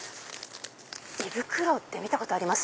胃袋って見たことあります？